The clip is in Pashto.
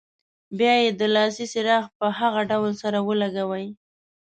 بیا یې د لاسي چراغ په هغه ډول سره ولګوئ.